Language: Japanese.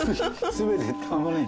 全て玉ねぎ。